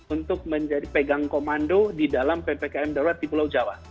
untuk menjadi pegang komando di dalam ppkm darurat di pulau jawa